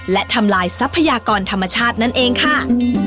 และทำลายทรัพยากรธรรมชาตินั่นเองค่ะ